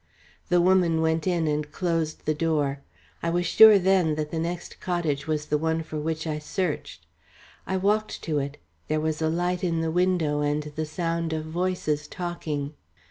The woman went in and closed the door. I was sure then that the next cottage was the one for which I searched. I walked to it; there was a light in the window and the sound of voices talking.